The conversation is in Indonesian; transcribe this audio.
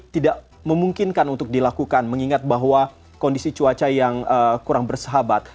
tidak memungkinkan untuk dilakukan mengingat bahwa kondisi cuaca yang kurang bersahabat